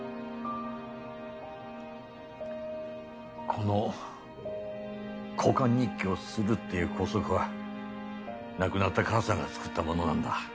この「交換日記をする」っていう校則は亡くなった母さんが作ったものなんだ。